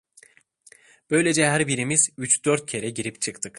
Böylece her birimiz üç dört kere girip çıktık.